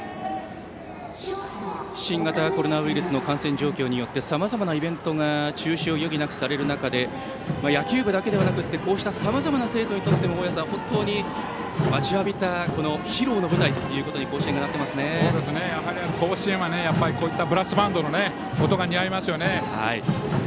新型コロナウイルスの感染状況によってさまざまなイベントが中止を余儀なくされる中で野球部だけではなくてさまざまな生徒にとっても本当に待ちわびた披露の舞台とやはり甲子園はブラスバンドの音が似合います。